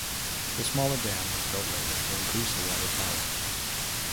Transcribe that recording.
The smaller dam was built later to increase the water power.